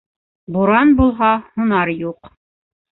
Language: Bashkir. Буран булһа, һунар юҡ